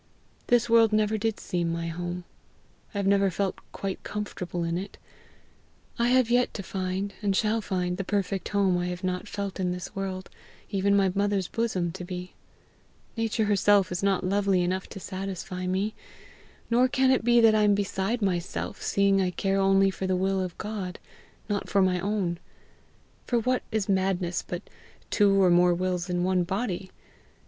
This world never did seem my home; I have never felt quite comfortable in it; I have yet to find, and shall find the perfect home I have not felt this world, even my mother's bosom to be. Nature herself is not lovely enough to satisfy me. Nor can it be that I am beside myself, seeing I care only for the will of God, not for my own. For what is madness but two or more wills in one body?